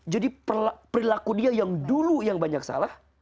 perilaku dia yang dulu yang banyak salah